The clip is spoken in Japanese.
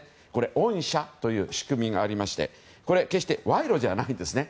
恩赦という仕組みがありましてこれ、決して賄賂じゃないんですね。